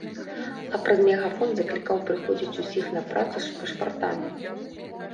А праз мегафон заклікаў прыходзіць усіх на працу з пашпартамі.